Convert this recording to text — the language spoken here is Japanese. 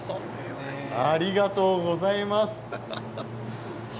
ありがとうございます。